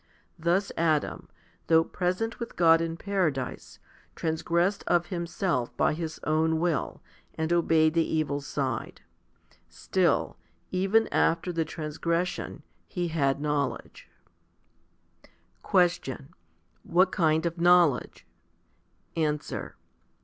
Thus Adam, though pre sent with God in paradise, transgressed of himself by his own will, and obeyed the evil side. Still, even after the transgression, he had knowledge. 1 Cp. Is. iv. 5. z Johni. I. HOMILY XII 93 9. Question. What kind of knowledge ? Answer.